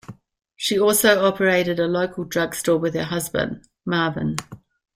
She also operated a local drugstore with her husband, Marvin.